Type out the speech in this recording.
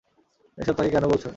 এসব তাকে কেন বলছ?